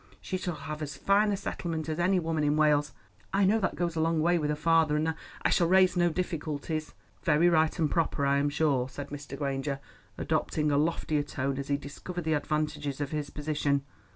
She shall have as fine a settlement as any woman in Wales. I know that goes a long way with a father, and I shall raise no difficulties." "Very right and proper, I am sure," said Mr. Granger, adopting a loftier tone as he discovered the advantages of his position.